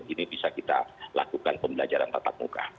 ini bisa kita lakukan pembelajaran tatap muka